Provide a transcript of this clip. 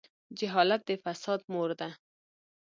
جهالت د فساد مور ده.